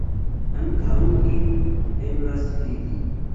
Ankaŭ nin eblas fidi.